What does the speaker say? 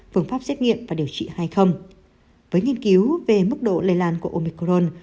phương pháp xét nghiệm và điều trị hay không với nghiên cứu về mức độ lây lan của omicron